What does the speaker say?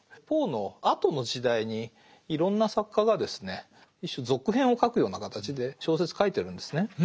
ポーのあとの時代にいろんな作家がですね一種続編を書くような形で小説書いてるんですね。